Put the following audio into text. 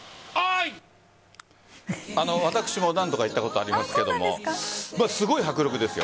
私も何度か行ったことがありますがすごい迫力です。